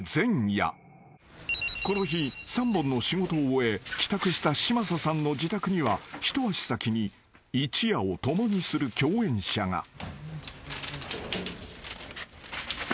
［この日３本の仕事を終え帰宅した嶋佐さんの自宅には一足先に一夜を共にする共演者が］